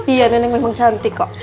iya nenek memang cantik kok